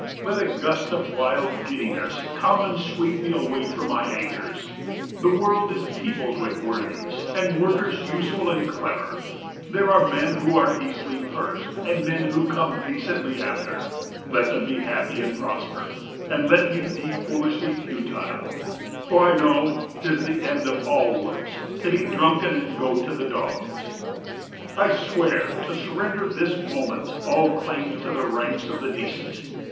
Let a gust of wild giddiness come and sweep me away from my anchors. The world is peopled with worthies, and workers, useful and clever. There are men who are easily first, and men who come decently after. Let them be happy and prosper, and let me be foolishly futile. For I know 'tis the end of all works to be drunken and go to the dogs. I swear to surrender this moment all claims to the ranks of the decent.